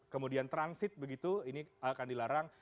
kemudian transit begitu ini akan dilarang